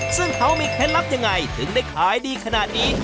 ซึ่งเขามีเคล็ดลับยังไงถึงได้ขายดีขนาดนี้